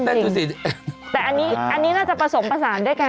แต่อันนี้อันนี้น่าจะผสมผสานด้วยกัน